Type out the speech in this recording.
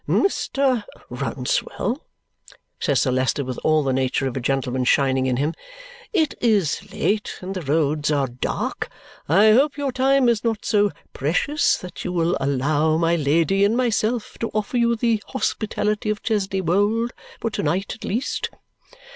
"Mr. Rouncewell," says Sir Leicester with all the nature of a gentleman shining in him, "it is late, and the roads are dark. I hope your time is not so precious but that you will allow my Lady and myself to offer you the hospitality of Chesney Wold, for to night at least."